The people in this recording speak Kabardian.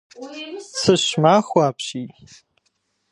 Цыщ махуэ апщий.